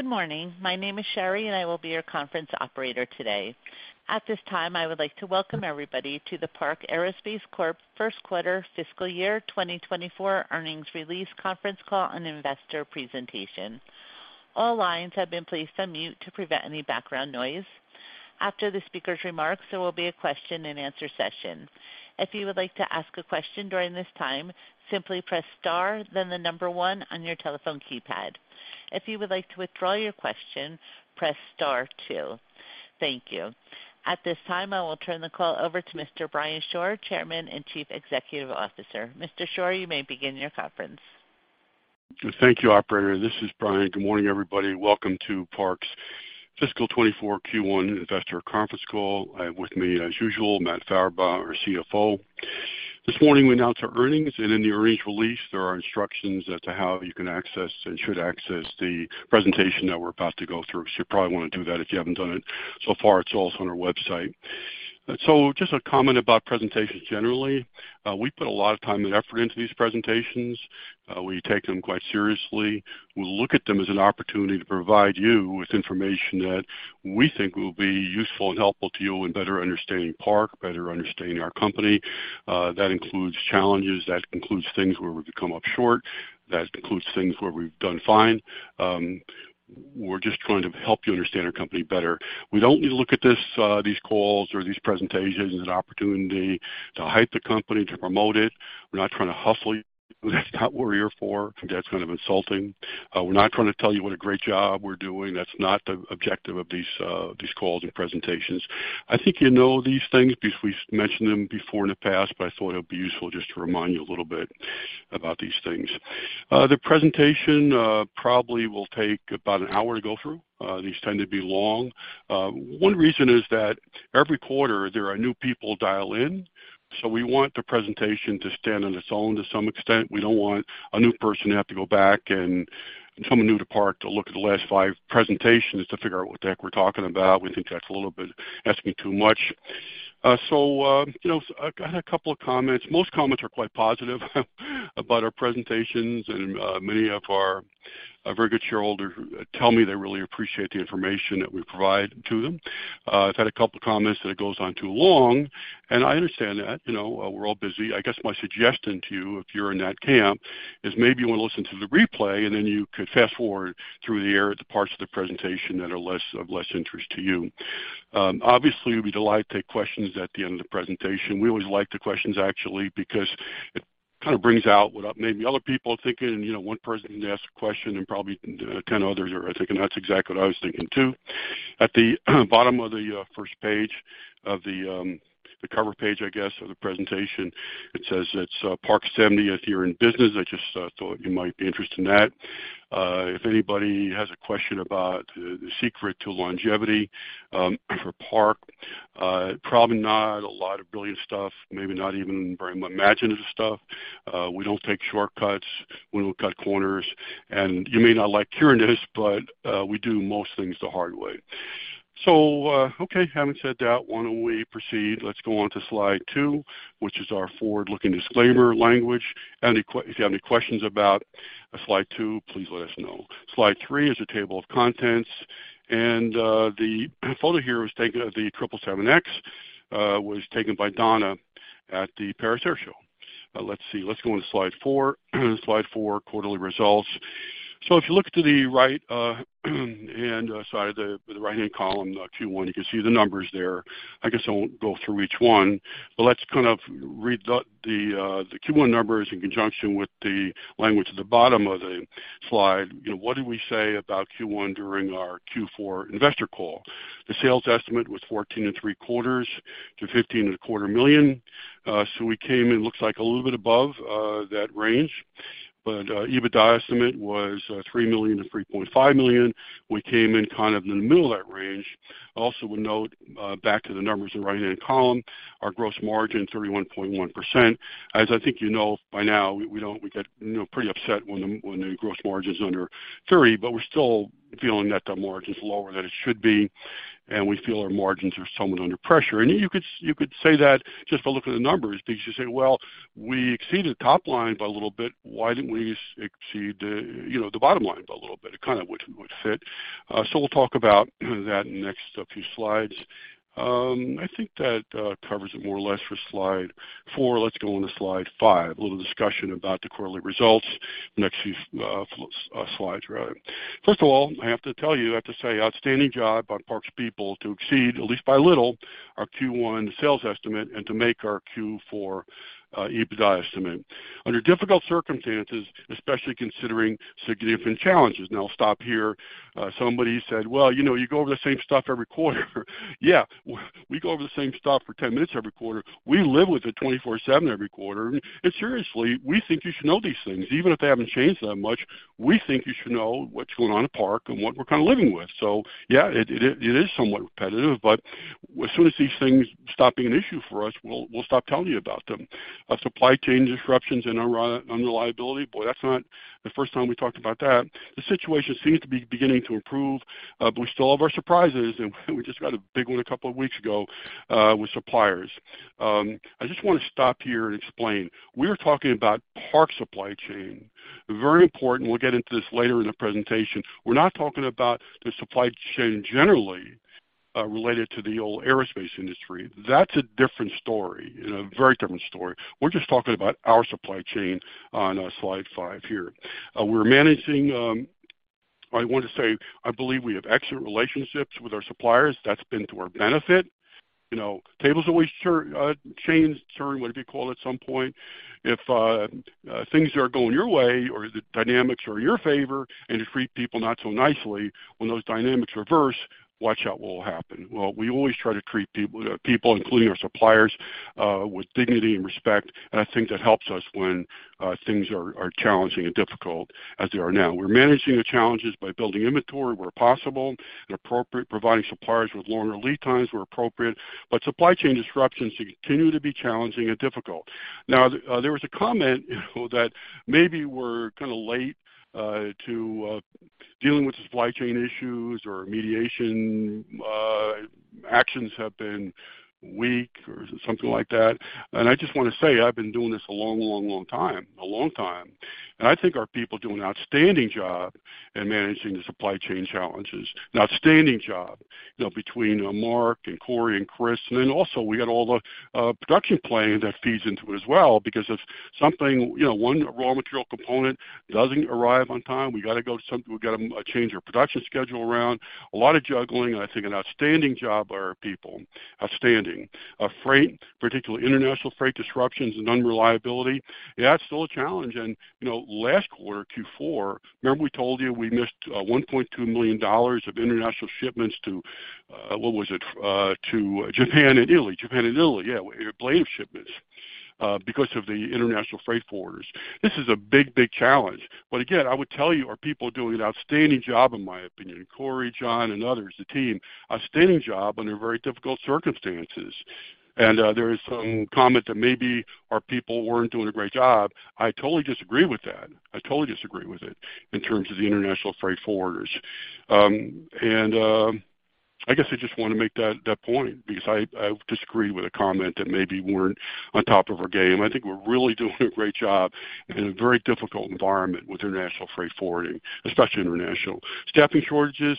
Good morning. My name is Sherry, and I will be your conference operator today. At this time, I would like to welcome everybody to the Park Aerospace Corp First Quarter Fiscal Year 2024 Earnings Release Conference Call and Investor Presentation. All lines have been placed on mute to prevent any background noise. After the speaker's remarks, there will be a question-and-answer session. If you would like to ask a question during this time, simply press star, then the number one on your telephone keypad. If you would like to withdraw your question, press star two. Thank you. At this time, I will turn the call over to Mr. Brian Shore, Chairman and Chief Executive Officer. Mr. Shore, you may begin your conference. Thank you, operator. This is Brian. Good morning, everybody. Welcome to Park's Fiscal 2024 Q1 Investor Conference Call. I have with me, as usual, Matt Farabaugh, our CFO. This morning, we announced our earnings, and in the earnings release, there are instructions as to how you can access and should access the presentation that we're about to go through. You probably want to do that if you haven't done it so far. It's also on our website. Just a comment about presentations, generally. We put a lot of time and effort into these presentations. We take them quite seriously. We look at them as an opportunity to provide you with information that we think will be useful and helpful to you in better understanding Park, better understanding our company. That includes challenges. That includes things where we've come up short. That includes things where we've done fine. We're just trying to help you understand our company better. We don't need to look at this, these calls or these presentations as an opportunity to hype the company, to promote it. We're not trying to hustle you. That's not what we're here for. That's kind of insulting. We're not trying to tell you what a great job we're doing. That's not the objective of these calls and presentations. I think you know these things because we've mentioned them before in the past. I thought it'd be useful just to remind you a little bit about these things. The presentation probably will take about one hour to go through. These tend to be long. One reason is that every quarter there are new people dial in, so we want the presentation to stand on its own to some extent. We don't want a new person to have to go back and someone new to Park to look at the last five presentations to figure out what the heck we're talking about. We think that's a little bit asking too much. You know, I had a couple of comments. Most comments are quite positive, about our presentations, and many of our very good shareholders tell me they really appreciate the information that we provide to them. I've had a couple of comments that it goes on too long. I understand that, you know, we're all busy. I guess my suggestion to you, if you're in that camp, is maybe you want to listen to the replay, and then you can fast forward through the areas, the parts of the presentation that are of less interest to you. Obviously, we'd be delighted to take questions at the end of the presentation. We always like the questions, actually, because it kind of brings out what maybe other people are thinking. You know, one person can ask a question, and probably 10 others are thinking, "That's exactly what I was thinking, too." At the bottom of the first page of the cover page, I guess, of the presentation, it says it's Park's 70th year in business. I just thought you might be interested in that. If anybody has a question about the secret to longevity for Park, probably not a lot of brilliant stuff, maybe not even very imaginative stuff. We don't take shortcuts. We don't cut corners. You may not like hearing this, but we do most things the hard way. Okay, having said that, why don't we proceed? Let's go on to Slide 2, which is our forward-looking disclaimer language. If you have any questions about Slide 2, please let us know. Slide 3 is a table of contents, the photo here was taken of the 777X was taken by Donna at the Paris Air Show. Let's see. Let's go on to Slide 4. Slide 4, quarterly results. If you look to the right-hand side, the right-hand column, the Q1, you can see the numbers there. I guess I won't go through each one, but let's kind of read the Q1 numbers in conjunction with the language at the bottom of the slide. You know, what did we say about Q1 during our Q4 investor call? The sales estimate was $14.75 million-$15.25 million. We came in, looks like a little bit above that range, but EBITDA estimate was $3 million-$3.5 million. We came in kind of in the middle of that range. Also would note, back to the numbers in the right-hand column, our gross margin, 31.1%. As I think you know by now, we don't, we get, you know, pretty upset when the gross margin is under 30%, we're still feeling that the margin is lower than it should be, and we feel our margins are somewhat under pressure. You could say that just by looking at the numbers, because you say, "Well, we exceeded the top line by a little bit. Why didn't we exceed the, you know, the bottom line by a little bit?" It kind of would fit. We'll talk about that in the next few slides. I think that covers it more or less for Slide 4. Let's go on to Slide 5. A little discussion about the quarterly results. Next few slides, right. First of all, I have to tell you, I have to say outstanding job by Park's people to exceed, at least by little, our Q1 sales estimate and to make our Q4 EBITDA estimate. Under difficult circumstances, especially considering significant challenges. I'll stop here. Somebody said, "Well, you know, you go over the same stuff every quarter." Yeah, we go over the same stuff for 10 minutes every quarter. We live with it 24/7 every quarter. Seriously, we think you should know these things. Even if they haven't changed that much, we think you should know what's going on at Park and what we're kind of living with. Yeah, it is somewhat repetitive, but as soon as these things stop being an issue for us, we'll stop telling you about them. Our supply chain disruptions and our unreliability, boy, that's not the first time we talked about that. The situation seems to be beginning to improve. But we still have our surprises, and we just got a big one a couple of weeks ago, with suppliers. I just want to stop here and explain. We are talking about Park's supply chain. Very important. We'll get into this later in the presentation. We're not talking about the supply chain generally, related to the old aerospace industry. That's a different story, you know, a very different story. We're just talking about our supply chain on Slide 5 here. We're managing, I want to say I believe we have excellent relationships with our suppliers. That's been to our benefit. You know, tables always turn, chains turn, whatever you call it, at some point. If things are going your way or the dynamics are in your favor, you treat people not so nicely when those dynamics reverse, watch out what will happen. We always try to treat people, including our suppliers, with dignity and respect, I think that helps us when things are challenging and difficult, as they are now. We're managing the challenges by building inventory where possible and appropriate, providing suppliers with longer lead times where appropriate. Supply chain disruptions continue to be challenging and difficult. There was a comment, you know, that maybe we're kind of late to dealing with the supply chain issues or mediation actions have been weak or something like that. I just want to say, I've been doing this a long, long, long time. A long time. I think our people do an outstanding job in managing the supply chain challenges. An outstanding job, you know, between Mark and Cory and Chris. We got all the production planning that feeds into it as well, because if something, you know, one raw material component doesn't arrive on time, we got to change our production schedule around. A lot of juggling, and I think an outstanding job by our people. Outstanding. Freight, particularly international freight disruptions and unreliability, yeah, that's still a challenge. You know, last quarter, Q4, remember we told you we missed $1.2 million of international shipments to, what was it? To Japan and Italy. Japan and Italy, yeah, blame shipments because of the international freight forwarders. This is a big challenge. Again, I would tell you, our people are doing an outstanding job in my opinion. Cory, John and others, the team, outstanding job under very difficult circumstances. There is some comment that maybe our people weren't doing a great job. I totally disagree with that. I totally disagree with it in terms of the international freight forwarders. I guess I just want to make that point because I disagree with the comment that maybe we're on top of our game. I think we're really doing a great job in a very difficult environment with international freight forwarding, especially international. Staffing shortages,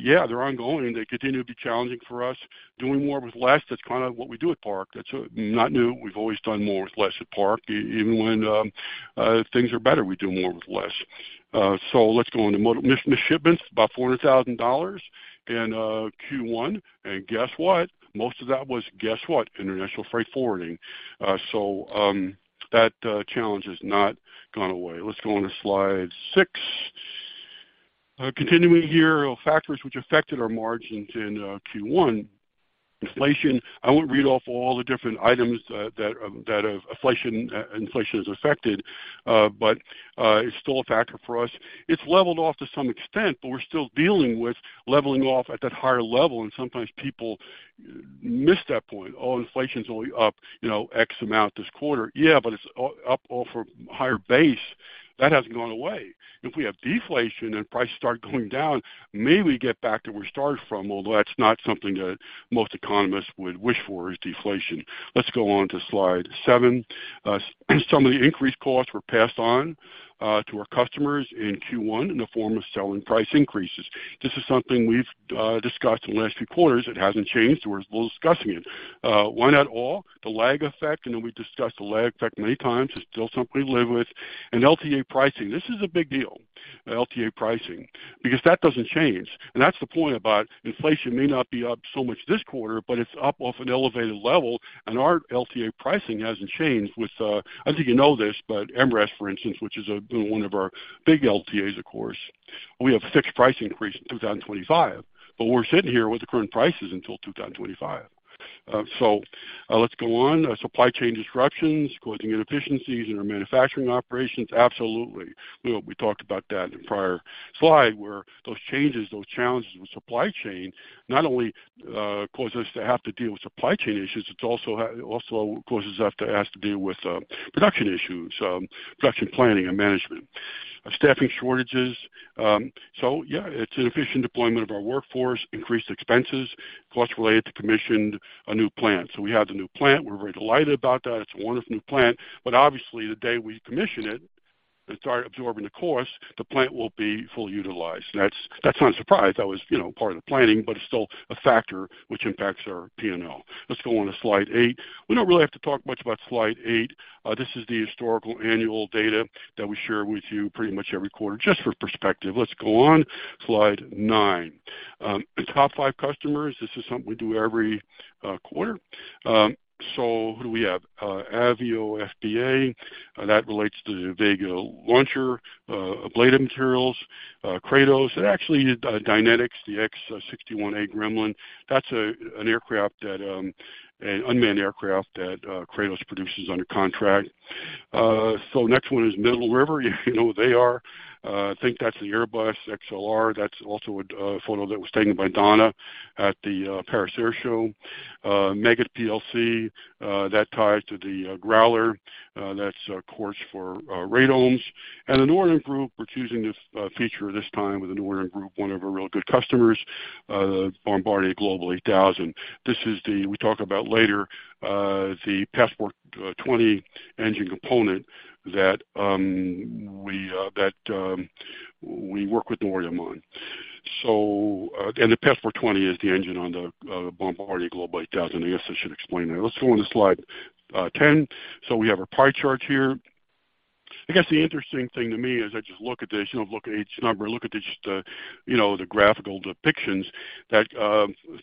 yeah, they're ongoing, and they continue to be challenging for us. Doing more with less, that's kind of what we do at Park. That's not new. We've always done more with less at Park. Even when things are better, we do more with less. Let's go on to missed shipments, about $400,000 in Q1. Guess what? Most of that was, guess what? International freight forwarding. That challenge has not gone away. Let's go on to Slide 6. Continuing here, factors which affected our margins in Q1. Inflation. I won't read off all the different items that inflation has affected, but it's still a factor for us. It's leveled off to some extent, but we're still dealing with leveling off at that higher level, and sometimes people miss that point. Oh, inflation is only up, you know, X amount this quarter. Yeah, but it's up off a higher base. That hasn't gone away. If we have deflation and prices start going down, maybe we get back to where we started from, although that's not something that most economists would wish for, is deflation. Let's go on to Slide 7. Some of the increased costs were passed on to our customers in Q1 in the form of selling price increases. This is something we've discussed in the last few quarters. It hasn't changed, we're still discussing it. Why not all? The lag effect, we discussed the lag effect many times, it's still something we live with. LTA pricing, this is a big deal, LTA pricing, because that doesn't change. That's the point about inflation may not be up so much this quarter, but it's up off an elevated level and our LTA pricing hasn't changed with, I think you know this, but MRAS, for instance, which is one of our big LTAs, of course, we have a fixed price increase in 2025, but we're sitting here with the current prices until 2025. Let's go on. Supply chain disruptions causing inefficiencies in our manufacturing operations. Absolutely. We talked about that in the prior slide, where those changes, those challenges with supply chain not only causes us to have to deal with supply chain issues, it also causes us to have to deal with production issues, production planning and management. Staffing shortages. Yeah, it's inefficient deployment of our workforce, increased expenses, costs related to commissioning a new plant. We have the new plant. We're very delighted about that. It's a wonderful new plant, but obviously, the day we commission it and start absorbing the costs, the plant will be fully utilized. That's not a surprise. That was, you know, part of the planning, but it's still a factor which impacts our P&L. Let's go on to Slide 8. We don't really have to talk much about Slide 8. This is the historical annual data that we share with you pretty much every quarter, just for perspective. Let's go on, Slide 9. Top five customers. This is something we do every quarter. Who do we have? Avio S.p.A., that relates to the Vega launcher, ablative materials. Kratos, and actually, Dynetics, the X-61A Gremlin. That's an aircraft that an unmanned aircraft that Kratos produces under contract. So next one is Middle River. You know who they are. I think that's the Airbus XLR. That's also a photo that was taken by Donna at the Paris Air Show. Meggitt PLC, that ties to the Growler, that's course for radomes. And The Nordam Group, we're choosing this feature this time with The Nordam Group, one of our really good customers, Bombardier Global 8000. This is the, we talk about later, the Passport 20 engine component that we that we work with Nordam on. And the Passport 20 is the engine on the Bombardier Global 8000. I guess I should explain that. Let's go on to Slide 10. We have our pie chart here. I guess the interesting thing to me is, I just look at this, you know, look at each number, look at just, you know, the graphical depictions that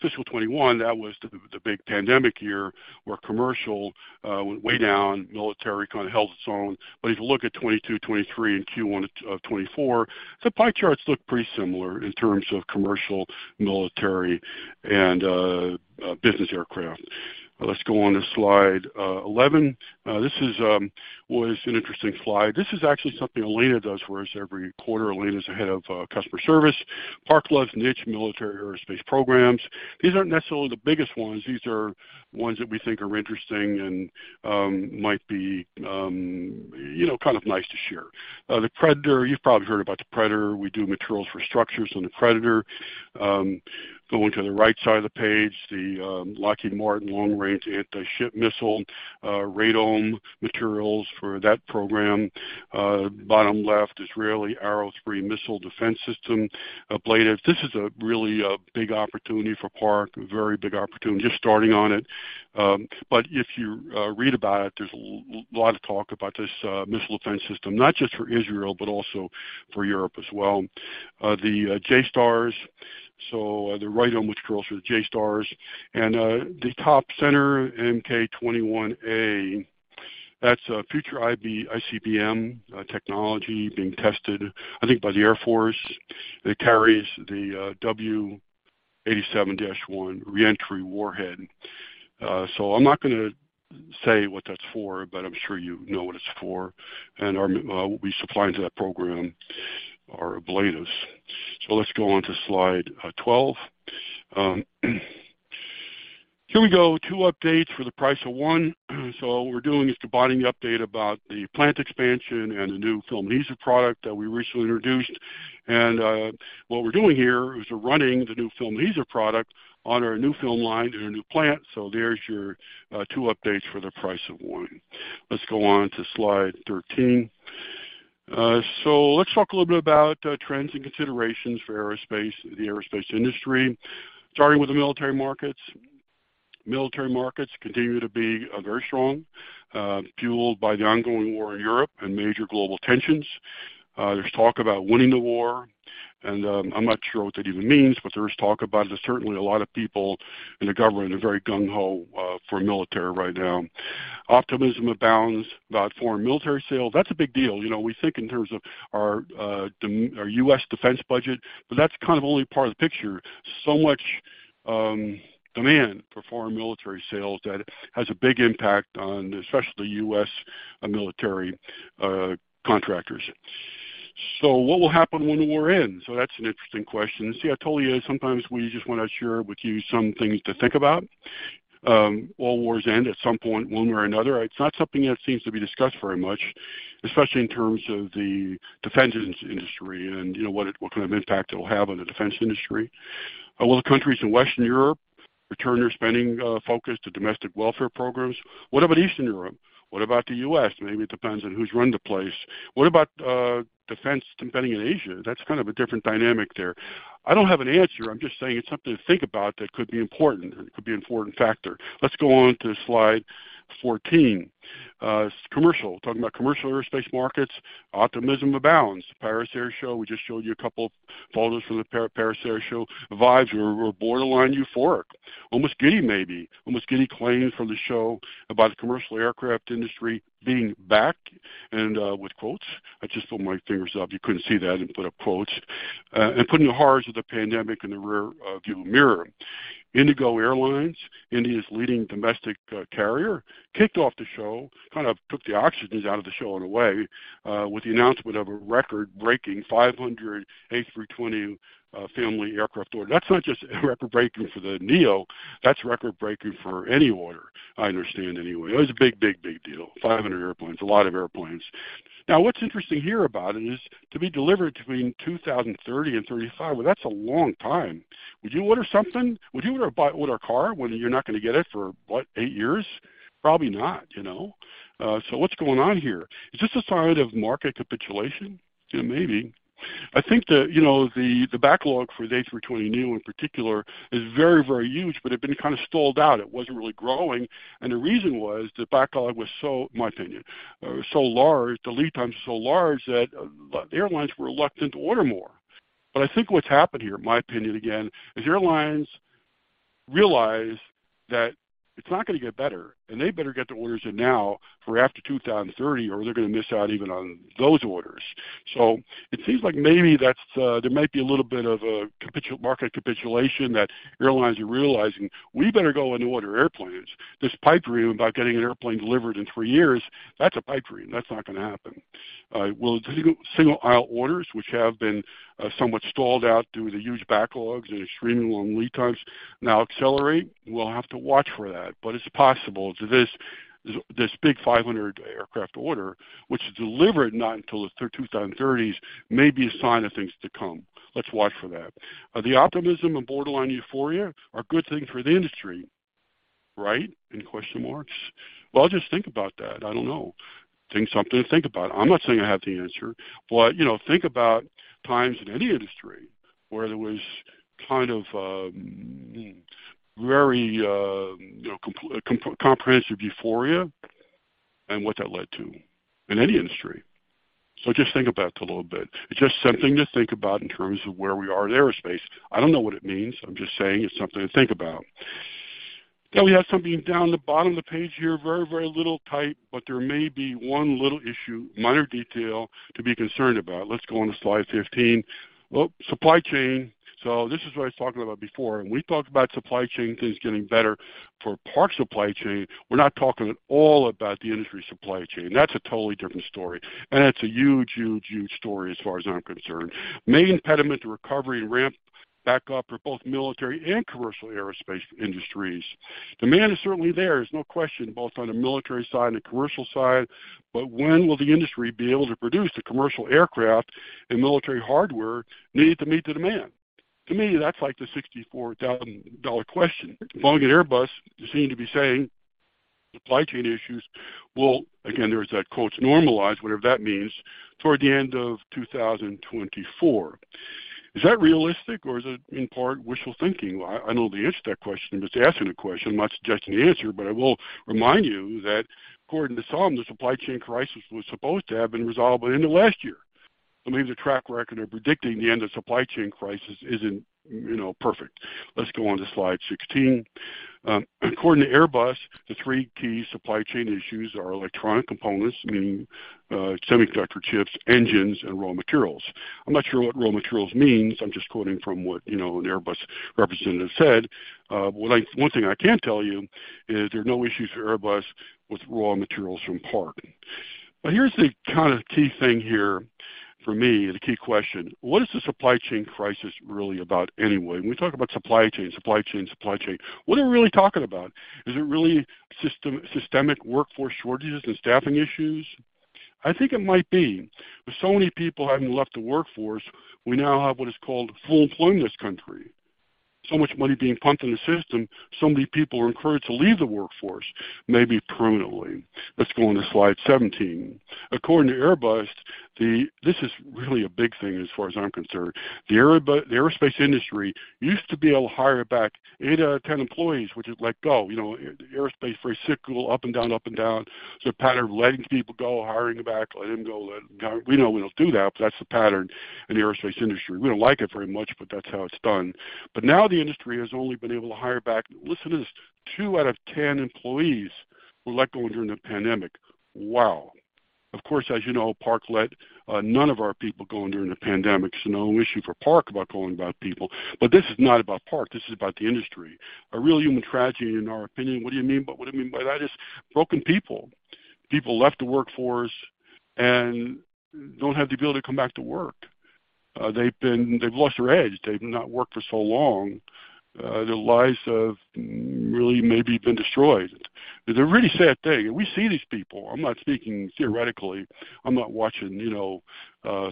fiscal 2021, that was the big pandemic year, where commercial went way down, military kind of held its own. If you look at 2022, 2023, and Q1 of 2024, the pie charts look pretty similar in terms of commercial, military, and business aircraft. Let's go on to Slide 11. This is an interesting slide. This is actually something Elena does for us every quarter. Elena is the Head of Customer Service. Park loves niche military aerospace programs. These aren't necessarily the biggest ones. These are ones that we think are interesting and, you know, kind of nice to share. The Predator, you've probably heard about the Predator. We do materials for structures on the Predator. Going to the right side of the page, the Lockheed Martin long-range anti-ship missile, radome materials for that program. Bottom left, Israeli Arrow 3 missile defense system, ablative. This is a really, a big opportunity for Park, a very big opportunity, just starting on it. If you read about it, there's a lot of talk about this missile defense system, not just for Israel, but also for Europe as well. The JSTARS, the radome, which goes through the JSTARS and the top center, Mk21A, that's a future ICBM technology being tested by the Air Force. It carries the W87-1 re-entry warhead. I'm not gonna say what that's for, but I'm sure you know what it's for. Our, we supplying to that program are ablatives. Let's go on to Slide 12. Here we go, two updates for the price of one. What we're doing is combining the update about the plant expansion and the new film adhesive product that we recently introduced. What we're doing here is we're running the new film adhesive product on our new film line in our new plant. There's your two updates for the price of one. Let's go on to Slide 13. Let's talk a little bit about trends and considerations for aerospace, the aerospace industry, starting with the military markets. Military markets continue to be very strong, fueled by the ongoing war in Europe and major global tensions. There's talk about winning the war, I'm not sure what that even means, but there is talk about it. There's certainly a lot of people in the government are very gung ho for military right now. Optimism abounds about foreign military sales. That's a big deal. You know, we think in terms of our U.S. defense budget, that's kind of only part of the picture. Much demand for foreign military sales that has a big impact on, especially U.S. military, contractors. What will happen when the war ends? That's an interesting question. See, I told you, sometimes we just want to share with you some things to think about. All wars end at some point, one way or another. It's not something that seems to be discussed very much, especially in terms of the defense industry and, you know, what kind of impact it will have on the defense industry. Will the countries in Western Europe return their spending focus to domestic welfare programs? What about Eastern Europe? What about the U.S.? Maybe it depends on who's running the place. What about defense spending in Asia? That's kind of a different dynamic there. I don't have an answer. I'm just saying it's something to think about that could be important, and it could be an important factor. Let's go on to Slide 14. Commercial. Talking about commercial aerospace markets, optimism abounds. Paris Air Show, we just showed you a couple of photos from the Paris Air Show. Vibes were borderline euphoric, almost giddy, maybe. Almost giddy claims from the show about the commercial aircraft industry being back and with quotes. I just put my fingers up, you couldn't see that and put up quotes. Putting the horrors of the pandemic in the rear view mirror. IndiGo Airlines, India's leading domestic carrier, kicked off the show, kind of took the oxygens out of the show, in a way, with the announcement of a record-breaking 500 A320 family aircraft order. That's not just a record-breaking for the neo, that's record-breaking for any order, I understand anyway. It was a big deal. 500 airplanes, a lot of airplanes. What's interesting here about it is to be delivered between 2030 and 2035. That's a long time. Would you order something? Would you order, buy, order a car when you're not gonna get it for, what, eight years? Probably not, you know. What's going on here? Is this a sign of market capitulation? Yeah, maybe. I think that, you know, the backlog for the A320neo in particular is very huge, but it's been kind of stalled out. It wasn't really growing, and the reason was the backlog was so, my opinion, so large, the lead time so large, that the airlines were reluctant to order more. I think what's happened here, in my opinion again, is airlines realize that it's not gonna get better, and they better get the orders in now for after 2030, or they're gonna miss out even on those orders. It seems like maybe that's there might be a little bit of a market capitulation that airlines are realizing, "We better go and order airplanes. This pipe dream about getting an airplane delivered in three years, that's a pipe dream. That's not gonna happen." Will single aisle orders, which have been somewhat stalled out due to the huge backlogs and extremely long lead times now accelerate? We'll have to watch for that, but it's possible that this big 500 aircraft order, which is delivered not until the 2030s, may be a sign of things to come. Let's watch for that. The optimism and borderline euphoria are good things for the industry, right? In question marks. Well, just think about that. I don't know. Think something to think about. I'm not saying I have the answer, but, you know, think about times in any industry where there was kind of, very, you know, comprehensive euphoria and what that led to in any industry. Just think about it a little bit. It's just something to think about in terms of where we are in aerospace. I don't know what it means. I'm just saying it's something to think about. We have something down the bottom of the page here, very little tight, but there may be one little issue, minor detail to be concerned about. Let's go on to Slide 15. Well, supply chain. This is what I was talking about before, and we talked about supply chain things getting better. For Park supply chain, we're not talking at all about the industry supply chain. That's a totally different story, and it's a huge, huge, huge story as far as I'm concerned. Main impediment to recovery and ramp back up for both military and commercial aerospace industries. Demand is certainly there's no question, both on the military side and the commercial side. When will the industry be able to produce the commercial aircraft and military hardware needed to meet the demand? To me, that's like the $64,000 question. Boeing and Airbus seem to be saying supply chain issues will, again, there's that quote, "normalize," whatever that means, toward the end of 2024. Is that realistic or is it in part wishful thinking? I don't know the answer to that question. It's asking a question. I'm not suggesting the answer. I will remind you that according to some, the supply chain crisis was supposed to have been resolved by the end of last year. Maybe the track record of predicting the end of supply chain crisis isn't, you know, perfect. Let's go on to Slide 16. According to Airbus, the three key supply chain issues are electronic components, meaning semiconductor chips, engines, and raw materials. I'm not sure what raw materials means. I'm just quoting from what, you know, an Airbus representative said. Well, one thing I can tell you is there are no issues for Airbus with raw materials from Park. Here's the kind of key thing here for me, the key question: What is the supply chain crisis really about anyway? When we talk about supply chain, supply chain, supply chain, what are we really talking about? Is it really systemic workforce shortages and staffing issues? I think it might be. With so many people having left the workforce, we now have what is called full employment in this country. Much money being pumped in the system, so many people are encouraged to leave the workforce, maybe permanently. Let's go on to Slide 17. According to Airbus, this is really a big thing as far as I'm concerned. Airbus, the aerospace industry used to be able to hire back eight out of 10 employees, which it let go. You know, aerospace very cyclical, up and down, up and down. It's a pattern of letting people go, hiring them back, letting them go. We know we don't do that's the pattern in the aerospace industry. We don't like it very much, that's how it's done. Now the industry has only been able to hire back, listen to this, two out of 10 employees who let go during the pandemic. Wow! Of course, as you know, Park let none of our people go during the pandemic, so no issue for Park about going about people. This is not about Park, this is about the industry. A real human tragedy, in our opinion. What do you mean? What I mean by that is broken people. People left the workforce and don't have the ability to come back to work. They've lost their edge. They've not worked for so long. Their lives have really maybe been destroyed. It's a really sad thing, and we see these people. I'm not speaking theoretically. I'm not watching, you know,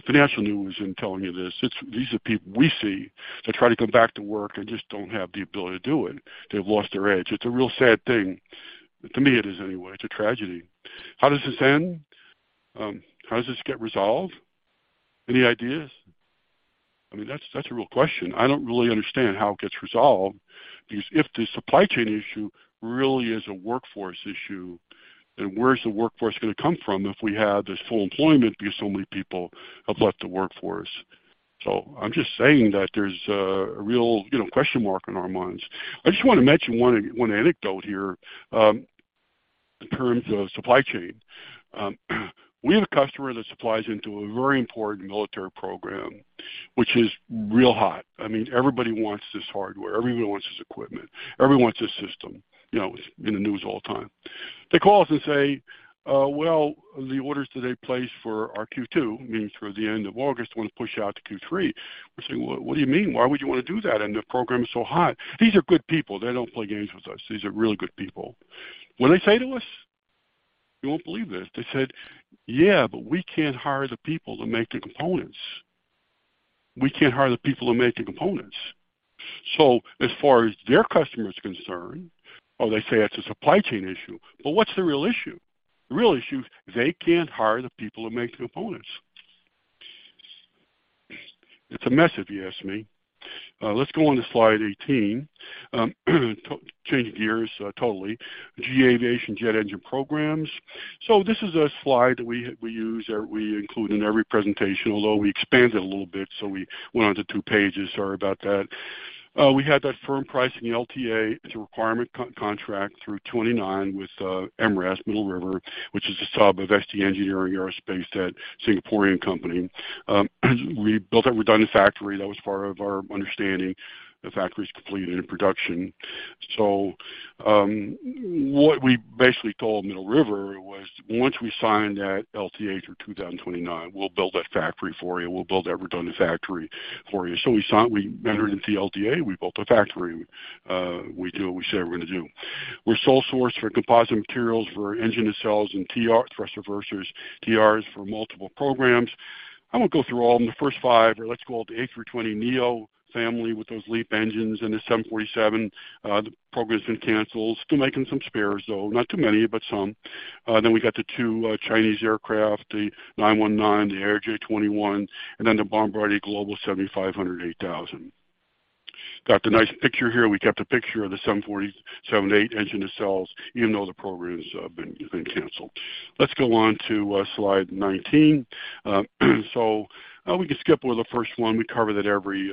financial news and telling you this. These are people we see that try to come back to work and just don't have the ability to do it. They've lost their edge. It's a real sad thing. To me, it is anyway. It's a tragedy. How does this end? How does this get resolved? Any ideas? I mean, that's a real question. I don't really understand how it gets resolved, because if the supply chain issue really is a workforce issue, then where is the workforce going to come from if we have this full employment because so many people have left the workforce? I'm just saying that there's a real, you know, question mark in our minds. I just want to mention one anecdote here, in terms of supply chain. We have a customer that supplies into a very important military program, which is real hot. I mean, everybody wants this hardware, everybody wants this equipment, everyone wants this system, you know, in the news all the time. They call us and say, "Well, the orders that they placed for our Q2, meaning through the end of August, want to push out to Q3." We're saying: Well, what do you mean? Why would you want to do that, and the program is so hot? These are good people. They don't play games with us. These are really good people. What they say to us? You won't believe this. They said, "Yeah, but we can't hire the people to make the components. We can't hire the people to make the components." As far as their customer is concerned, or they say it's a supply chain issue, but what's the real issue? The real issue, they can't hire the people to make the components. It's a mess, if you ask me. Let's go on to Slide 18. Changing gears, totally. GE Aviation Jet Engine Programs. This is a slide that we use, or we include in every presentation, although we expanded a little bit, so we went on to two pages. Sorry about that. We had that firm price in the LTA as a requirement contract through 29 with MRAS, Middle River, which is a sub of ST Engineering Aerospace at Singaporean company. We built that redundant factory. That was part of our understanding. The factory is completed in production. What we basically told Middle River was, once we signed that LTA through 2029, we'll build that factory for you. We'll build that redundant factory for you. We signed, we entered into the LTA, we built a factory. We do what we said we're gonna do. We're sole source for composite materials for engine nacelles and TR, thruster reversers, TRs for multiple programs. I won't go through all them. The first five, or let's go up to A320neo family with those LEAP engines and the 747. The program has been canceled. Still making some spares, though. Not too many, but some. Then we got the two Chinese aircraft, the C919, the ARJ21, and then the Bombardier Global 7500, 8000. Got the nice picture here. We kept a picture of the 747-8 engine nacelles, even though the program has been canceled. Let's go on to Slide 19. We can skip over the first one. We cover that every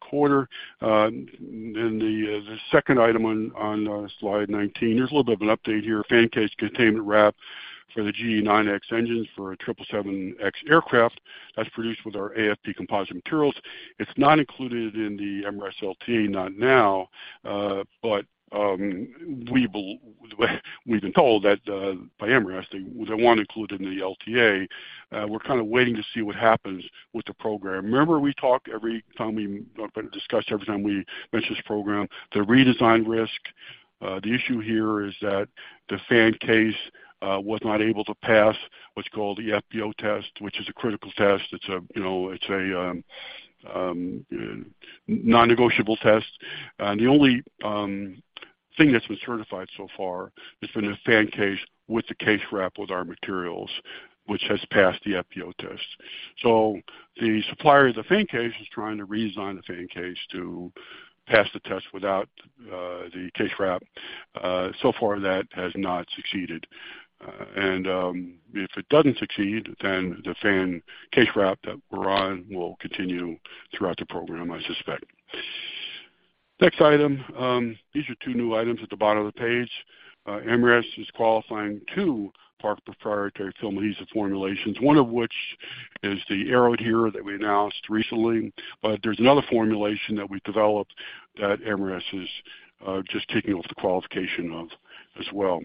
quarter. The second item on Slide 19, there's a little bit of an update here. Fan case containment wrap for the GE9X engines for a 777X aircraft that's produced with our AFP composite materials. It's not included in the MRAS LTA, not now, but we've been told that by MRAS, they want included in the LTA. We're kind of waiting to see what happens with the program. Remember, we talk every time we discuss, every time we mention this program, the redesign risk. The issue here is that the fan case was not able to pass what's called the FBO test, which is a critical test. It's a, you know, it's a non-negotiable test. The only thing that's been certified so far has been the fan case with the case wrap with our materials, which has passed the FBO test. The supplier of the fan case is trying to redesign the fan case to pass the test without the case wrap. So far, that has not succeeded. If it doesn't succeed, then the fan case wrap that we're on will continue throughout the program, I suspect. Next item, these are two new items at the bottom of the page. MRAS is qualifying two Park proprietary film adhesive formulations, one of which is the Aeroadhere that we announced recently. There's another formulation that we developed that MRAS is just taking over the qualification of as well.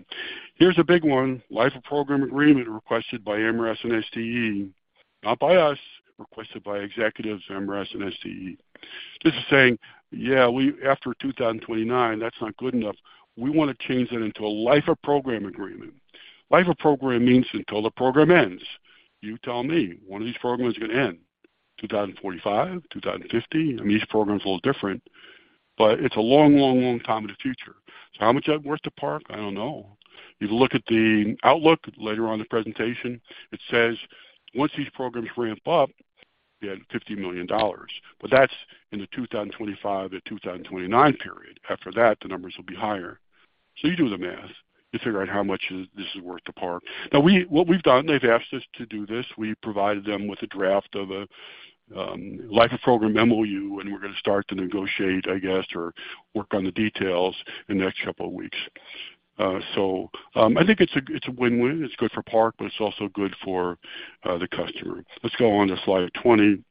Here's a big one, life-of-program agreement requested by MRAS and STE, not by us, requested by executives at MRAS and STE. This is saying, "Yeah, we, after 2029, that's not good enough. We want to change that into a life-of-program agreement." Life-of-program means until the program ends. You tell me, when are these programs gonna end? 2045? 2050? I mean, each program is a little different, but it's a long, long, long time in the future. How much that worth to Park? I don't know. If you look at the outlook later on in the presentation, it says, once these programs ramp up, you have $50 million, but that's in the 2025-2029 period. After that, the numbers will be higher. You do the math. You figure out how much this is worth to Park. Now what we've done, they've asked us to do this. We provided them with a draft of a life-of-program MOU, and we're gonna start to negotiate, I guess, or work on the details in the next couple of weeks. I think it's a win-win. It's good for Park, but it's also good for the customer. Let's go on to Slide 20.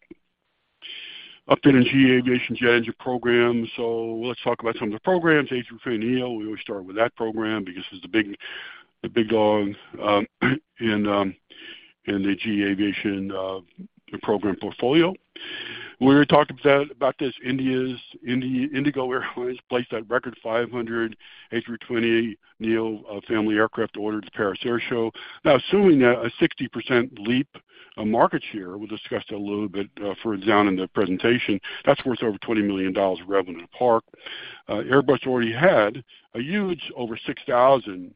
Update on GE Aviation Jet Engine Program. Let's talk about some of the programs. A320neo, we always start with that program because it's the big dog in the GE Aviation program portfolio. We were talking about this, India's IndiGo Airlines placed that record 500 A320neo family aircraft order at the Paris Air Show. Assuming a 60% LEAP of market share, we'll discuss that a little bit further down in the presentation, that's worth over $20 million of revenue to Park. Airbus already had a huge over 6,000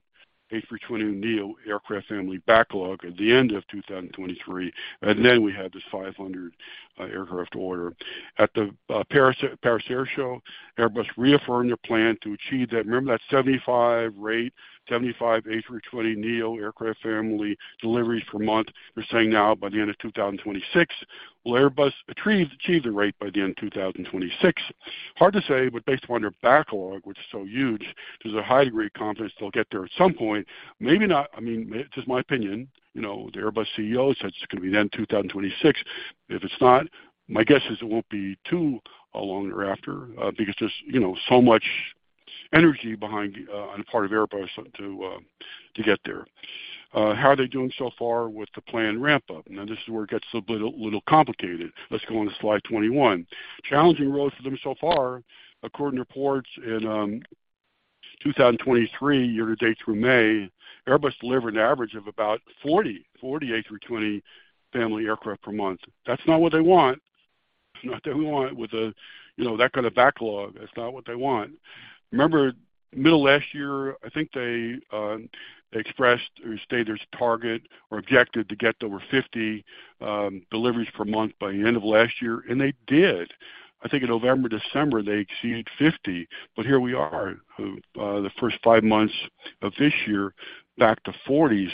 A320neo aircraft family backlog at the end of 2023, we had this 500 aircraft order. At the Paris Air Show, Airbus reaffirmed their plan to achieve that. Remember that 75 rate, 75 A320neo aircraft family deliveries per month, they're saying now by the end of 2026. Will Airbus achieve the rate by the end of 2026? Hard to say, but based upon their backlog, which is so huge, there's a high degree of confidence they'll get there at some point. Maybe not, I mean, just my opinion, you know, the Airbus CEO said it's gonna be the end of 2026. If it's not, my guess is it won't be too long thereafter, because there's, you know, so much energy behind on the part of Airbus to get there. How are they doing so far with the planned ramp-up? Now, this is where it gets a little complicated. Let's go on to Slide 21. Challenging road for them so far. According to reports in 2023, year-to-date through May, Airbus delivered an average of about 40 A320 family aircraft per month. That's not what they want. It's not what they want with a, you know, that kind of backlog. That's not what they want. Remember, middle of last year, I think they expressed or stated their target or objective to get over 50 deliveries per month by the end of last year, and they did. I think in November, December, they exceeded 50, but here we are, the first five months of this year, back to 40.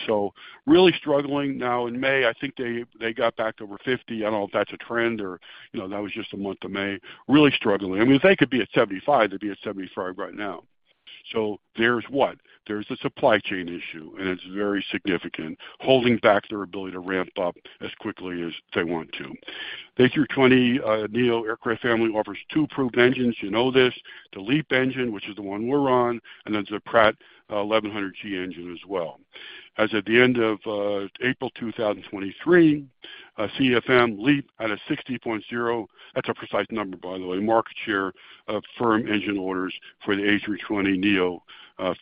Really struggling. Now in May, I think they got back to over 50. I don't know if that's a trend or, you know, that was just the month of May. Really struggling. I mean, if they could be at 75, they'd be at 75 right now. There's what? There's a supply chain issue, and it's very significant, holding back their ability to ramp up as quickly as they want to. The A320neo aircraft family offers two approved engines. You know this, the LEAP engine, which is the one we're on, and then the Pratt 1100G engine as well. As at the end of April 2023, CFM LEAP had a 60.0, that's a precise number, by the way, market share of firm engine orders for the A320neo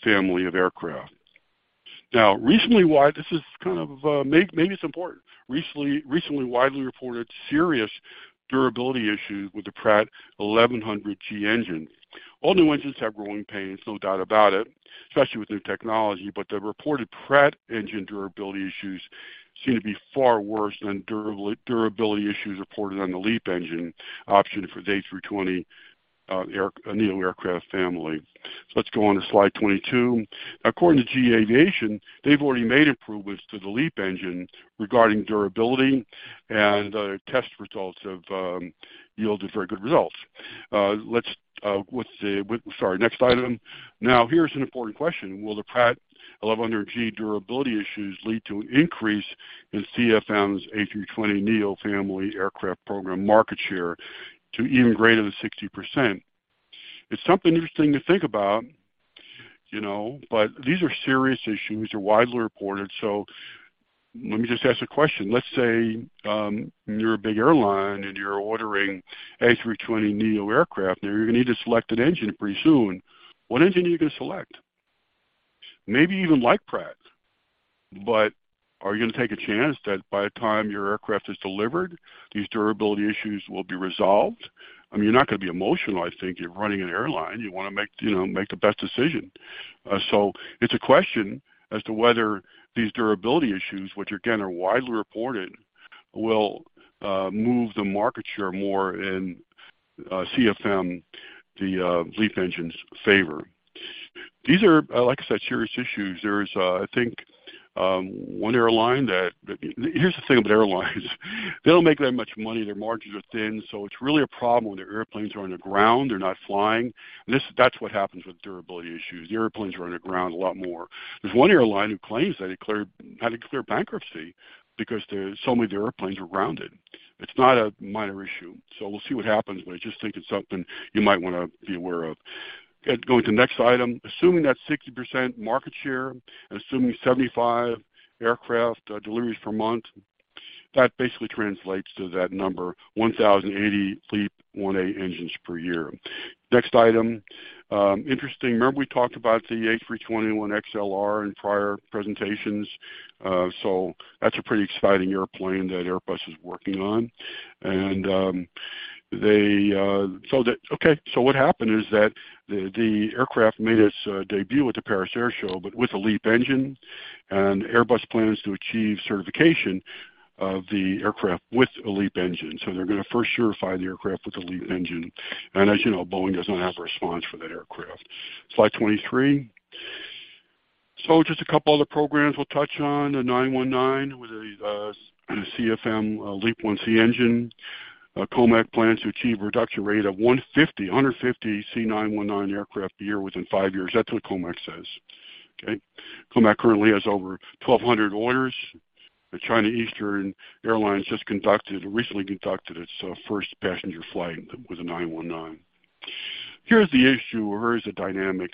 family of aircraft. Recently, this is kind of, maybe it's important. Recently, widely reported serious durability issues with the Pratt 1100G engine. All new engines have growing pains, no doubt about it, especially with new technology. The reported Pratt engine durability issues seem to be far worse than durability issues reported on the LEAP engine option for the A320neo aircraft family. Let's go on to Slide 22. According to GE Aviation, they've already made improvements to the LEAP engine regarding durability, and test results have yielded very good results. Sorry, next item. Here's an important question: Will the Pratt 1100G durability issues lead to an increase in CFM's A320neo family aircraft program market share to even greater than 60%? It's something interesting to think about, you know. These are serious issues. They're widely reported. Let me just ask a question. Let's say, you're a big airline, and you're ordering A320neo aircraft, and you're going to need to select an engine pretty soon. What engine are you going to select? Maybe you even like Pratt, but are you going to take a chance that by the time your aircraft is delivered, these durability issues will be resolved? I mean, you're not going to be emotional, I think. You're running an airline. You want to make, you know, make the best decision. So it's a question as to whether these durability issues, which, again, are widely reported, will move the market share more in CFM, the LEAP engine's favor. These are, like I said, serious issues. There's, I think, one airline that here's the thing about airlines: They don't make that much money. Their margins are thin, so it's really a problem when their airplanes are on the ground, they're not flying. That's what happens with durability issues. The airplanes are on the ground a lot more. There's one airline who claims that it cleared, had to clear bankruptcy because there's so many of the airplanes were grounded. It's not a minor issue, so we'll see what happens, but I just think it's something you might want to be aware of. Going to the next item. Assuming that 60% market share and assuming 75 aircraft deliveries per month, that basically translates to that number, 1,080 LEAP-1A engines per year. Next item, interesting. Remember we talked about the A321XLR in prior presentations? What happened is that the aircraft made its debut at the Paris Air Show, but with a LEAP engine, and Airbus plans to achieve certification of the aircraft with a LEAP engine. They're going to first certify the aircraft with a LEAP engine. As you know, Boeing doesn't have a response for that aircraft. Slide 23. Just a couple other programs we'll touch on. The C919 with a CFM LEAP-1C engine. COMAC plans to achieve a reduction rate of 150 C919 aircraft a year within five years. That's what COMAC says. Okay? COMAC currently has over 1,200 orders. The China Eastern Airlines just conducted, recently conducted its first passenger flight with a C919. Here's the issue, or here's the dynamic: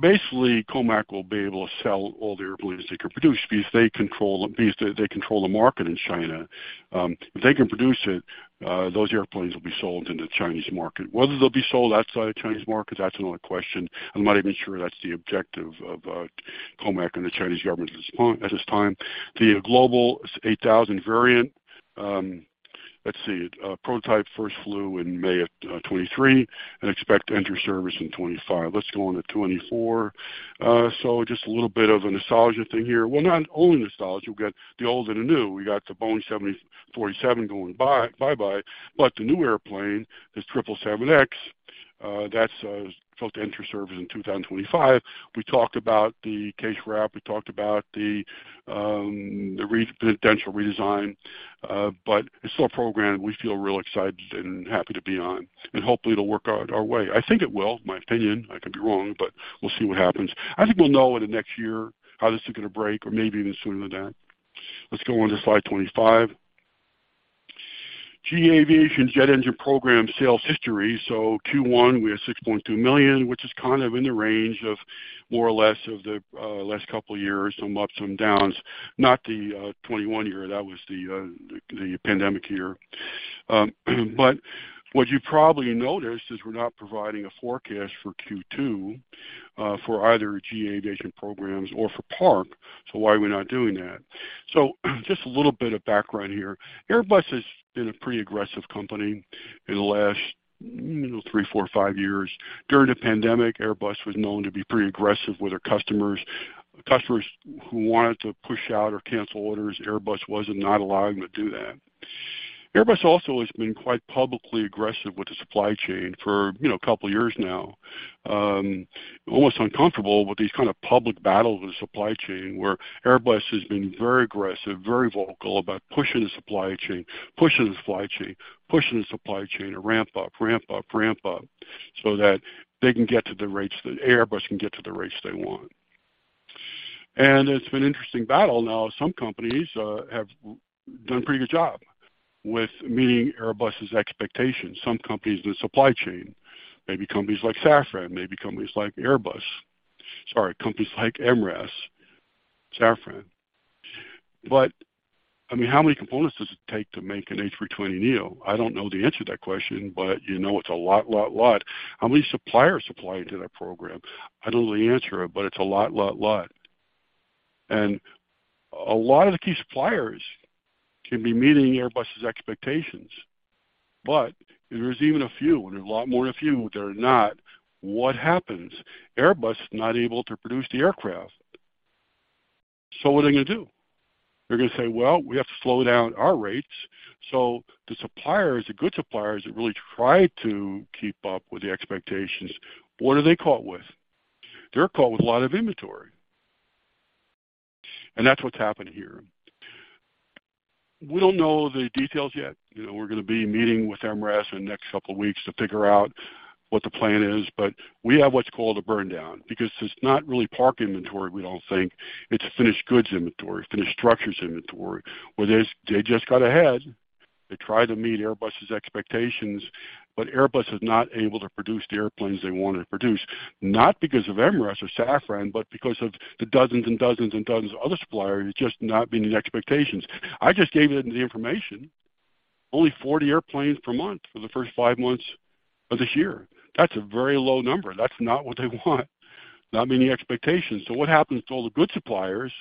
Basically, COMAC will be able to sell all the airplanes they can produce because they control the market in China. If they can produce it, those airplanes will be sold in the Chinese market. Whether they'll be sold outside the Chinese market, that's another question. I'm not even sure that's the objective of COMAC and the Chinese government at this time. The Global 8000 variant, prototype first flew in May of 2023 and expect to enter service in 2025. Let's go on to 2024. Just a little bit of a nostalgia thing here. Well, not only nostalgia, we've got the old and the new. We got the Boeing 747 going bye-bye, the new airplane, this 777X, that's set to enter service in 2025. We talked about the case wrap. We talked about the potential redesign, it's still a program we feel real excited and happy to be on, hopefully it'll work out our way. I think it will. My opinion, I could be wrong, but we'll see what happens. I think we'll know in the next year how this is going to break, or maybe even sooner than that. Let's go on to Slide 25. GE Aviation Jet Engine Program sales history. Q1, we had $6.2 million, which is kind of in the range of more or less of the last couple of years, some ups and downs, not the 2021 year. That was the pandemic year. What you probably noticed is we're not providing a forecast for Q2 for either GE Aviation programs or for Park. Why are we not doing that? Just a little bit of background here. Airbus has been a pretty aggressive company in the last, you know, three, four, five years. During the pandemic, Airbus was known to be pretty aggressive with their customers. Customers who wanted to push out or cancel orders, Airbus was not allowing them to do that. Airbus also has been quite publicly aggressive with the supply chain for, you know, a couple years now. Almost uncomfortable with these kind of public battles with the supply chain, where Airbus has been very aggressive, very vocal about pushing the supply chain, pushing the supply chain, pushing the supply chain to ramp up, ramp up, ramp up, so that they can get to the rates that Airbus can get to the rates they want. It's been an interesting battle. Some companies have done a pretty good job with meeting Airbus's expectations. Some companies in the supply chain, maybe companies like Safran, maybe companies like Airbus. Sorry, companies like MRAS, Safran. I mean, how many components does it take to make an A320neo? I don't know the answer to that question, but you know, it's a lot, lot. How many suppliers supply into that program? I don't know the answer, but it's a lot, lot. A lot of the key suppliers can be meeting Airbus's expectations, but if there's even a few, and there's a lot more than a few that are not, what happens? Airbus is not able to produce the aircraft. What are they going to do? They're going to say, "Well, we have to slow down our rates." The suppliers, the good suppliers that really try to keep up with the expectations, what are they caught with? They're caught with a lot of inventory. That's what's happened here. We don't know the details yet. You know, we're going to be meeting with MRAS in the next couple of weeks to figure out what the plan is, but we have what's called a burndown, because it's not really Park inventory we don't think, it's finished goods inventory, finished structures inventory, where they just got ahead. They tried to meet Airbus's expectations, but Airbus is not able to produce the airplanes they want to produce, not because of MRAS or Safran, but because of the dozens and dozens and dozens of other suppliers just not meeting expectations. I just gave you the information. Only 40 airplanes per month for the first five months of this year. That's a very low number. That's not what they want, not meeting the expectations. What happens to all the good suppliers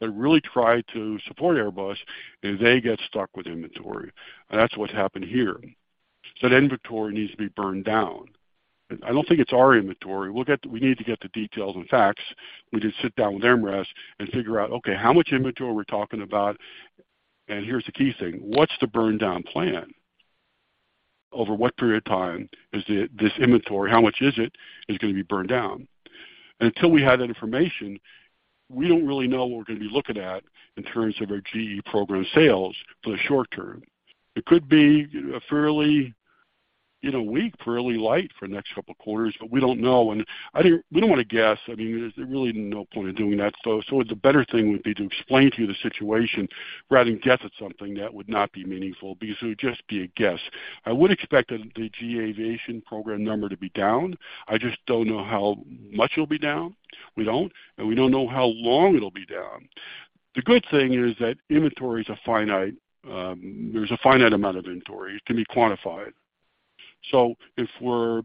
that really try to support Airbus, is they get stuck with inventory. That's what's happened here. The inventory needs to be burned down. I don't think it's our inventory. We need to get the details and facts. We just sit down with MRAS and figure out, okay, how much inventory we're talking about. Here's the key thing: What's the burn down plan? Over what period of time this inventory, how much is it, is going to be burned down? Until we have that information, we don't really know what we're going to be looking at in terms of our GE program sales for the short term. It could be a fairly, in a week, fairly light for the next couple of quarters, but we don't know, and we don't want to guess. I mean, there's really no point in doing that. The better thing would be to explain to you the situation rather than guess at something that would not be meaningful, because it would just be a guess. I would expect that the GE Aviation program number to be down. I just don't know how much it'll be down. We don't know how long it'll be down. The good thing is that inventory is a finite, there's a finite amount of inventory. It can be quantified. If we're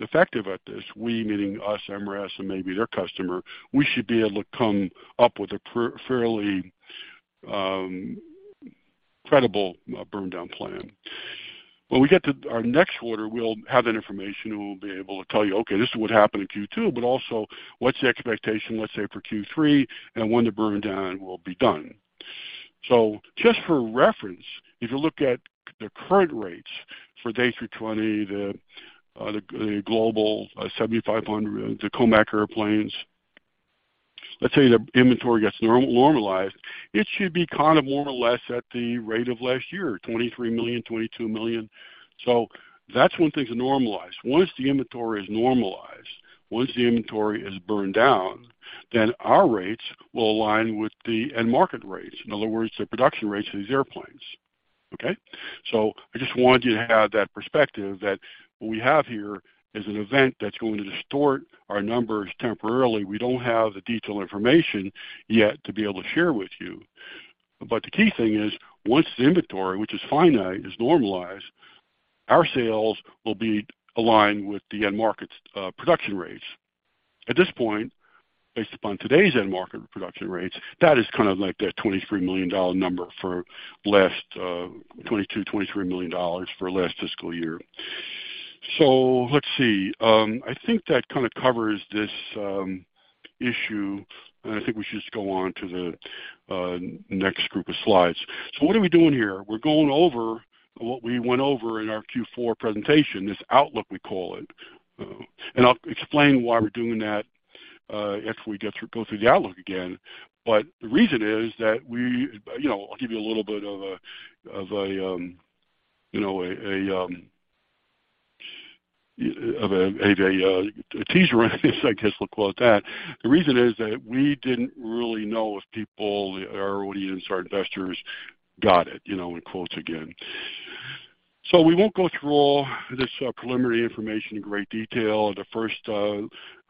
effective at this, we meaning us, MRAS, and maybe their customer, we should be able to come up with a fairly credible burndown plan. When we get to our next quarter, we'll have that information, and we'll be able to tell you, okay, this is what happened in Q2, but also what's the expectation, let's say, for Q3 and when the burndown will be done. Just for reference, if you look at the current rates for the A320, the Global 7500, the COMAC airplanes, let's say the inventory gets normalized, it should be more or less at the rate of last year, $23 million, $22 million. That's when things are normalized. Once the inventory is normalized, once the inventory is burned down, then our rates will align with the end market rates. In other words, the production rates of these airplanes. Okay? I just want you to have that perspective, that what we have here is an event that's going to distort our numbers temporarily. We don't have the detailed information yet to be able to share with you. The key thing is, once the inventory, which is finite, is normalized, our sales will be aligned with the end market's production rates. At this point, based upon today's end market production rates, that is kind of like that $23 million number for last, $22 million-$23 million for last fiscal year. Let's see. I think that kind of covers this issue, and I think we should just go on to the next group of slides. What are we doing here? We're going over what we went over in our Q4 presentation, this outlook we call it. I'll explain why we're doing that as we go through the outlook again. The reason is that we, you know, I'll give you a little bit of a, of a, you know, of a teaser, I guess we'll call it that. The reason is that we didn't really know if people, our audience, our investors, got it, you know, in quotes again. We won't go through all this preliminary information in great detail. The first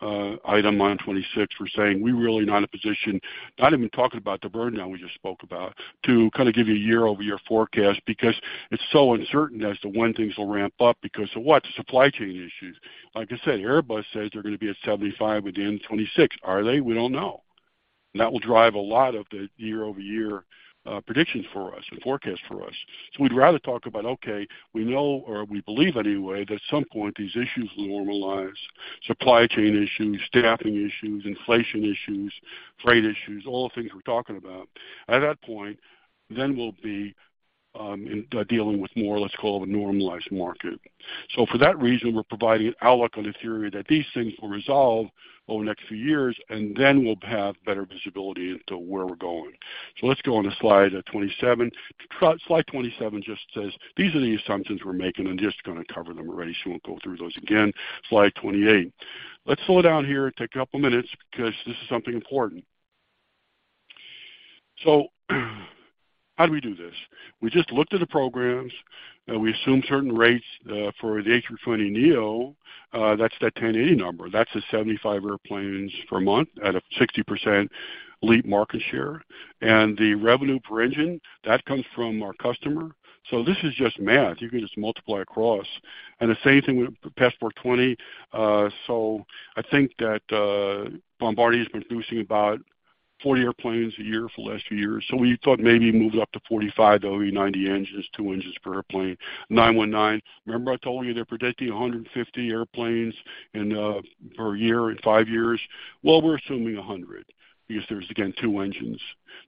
item on 26, we're saying we're really not in a position, not even talking about the burndown we just spoke about, to kind of give you a year-over-year forecast, because it's so uncertain as to when things will ramp up. Because of what? Supply chain issues. Like I said, Airbus says they're going to be at 75 within 2026. Are they? We don't know. That will drive a lot of the year-over-year predictions for us, the forecast for us. We'd rather talk about, okay, we know or we believe anyway, that at some point, these issues will normalize, supply chain issues, staffing issues, inflation issues, freight issues, all the things we're talking about. At that point, we'll be dealing with more, let's call it a normalized market. For that reason, we're providing an outlook on the theory that these things will resolve over the next few years, and then we'll have better visibility into where we're going. Let's go on to Slide 27. Slide 27 just says, "These are the assumptions we're making," I'm just going to cover them already. We'll go through those again. Slide 28. Let's slow down here and take a couple of minutes because this is something important. How do we do this? We just looked at the programs, we assumed certain rates for the A320neo. That's that 1080 number. That's the 75 airplanes per month at a 60% LEAP market share, the revenue per engine, that comes from our customer. This is just math. You can just multiply across, the same thing with Passport 20. I think that Bombardier's been producing about 40 airplanes a year for the last few years. We thought maybe move it up to 45, that would be 90 engines, two engines per airplane. C919. Remember I told you they're predicting 150 airplanes per year in five years? We're assuming 100 because there's, again, two engines.